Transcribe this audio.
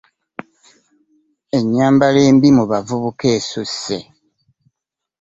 ennyambala embi mu bavubuka esusse.